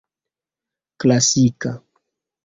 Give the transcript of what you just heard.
klasika